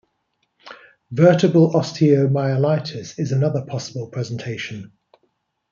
Vertebral osteomyelitis is another possible presentation.